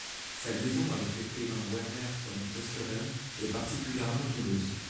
Sa liaison avec l'écrivain Werner von Oesteren est particulièrement houleuse.